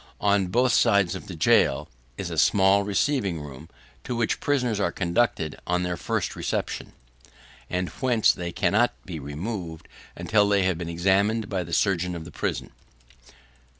On both sides of the gaol, is a small receiving room, to which prisoners are conducted on their first reception, and whence they cannot be removed until they have been examined by the surgeon of the prison.